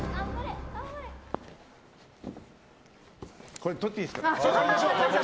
これ、取っていいですか。